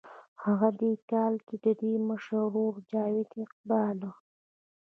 هم دې کال کښې د دوي مشر ورور جاويد اقبال